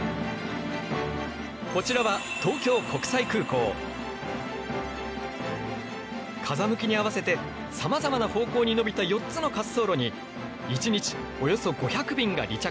こちらは風向きに合わせてさまざまな方向に延びた４つの滑走路に一日およそ５００便が離着陸している。